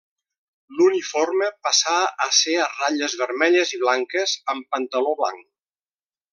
L'uniforme passà a ser a ratlles vermelles i blanques amb pantaló blanc.